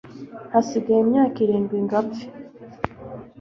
hasigaye imyaka irindwi ngo apfe